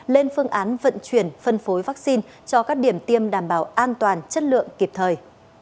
lên phương án vận chuyển phân phối vaccine cho các điểm tiêm đảm bảo an toàn chất lượng kịp thời